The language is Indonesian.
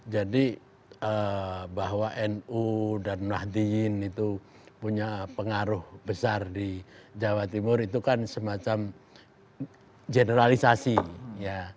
jadi bahwa nu dan nahdien itu punya pengaruh besar di jawa timur itu kan semacam generalisasi ya